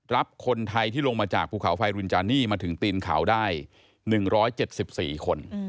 รับคนไทยที่ลงมาจากภูเขาไฟรุนจานี่มาถึงตีนเขาได้๑๗๔คน